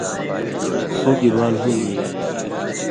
اُو گی بال ہُون٘دی یی!